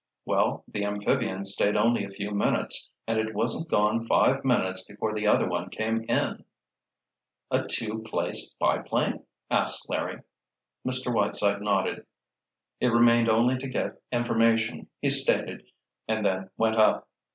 "Well, the amphibian stayed only a few minutes, and it wasn't gone five minutes before the other one came in——" "A two place biplane?" asked Larry. Mr. Whiteside nodded. It remained only to get information, he stated, and then went up.